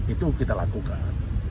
itu kita lakukan